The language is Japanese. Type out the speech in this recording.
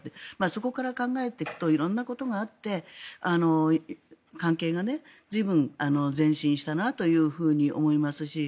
そこから考えていくと色々なことがあって関係が随分、前進したなと思いますし